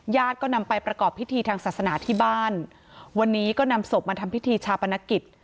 ก็นำไปประกอบพิธีทางศาสนาที่บ้านวันนี้ก็นำศพมาทำพิธีชาปนกิจ